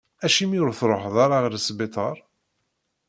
Acimi ur truḥeḍ ara ɣer sbiṭar?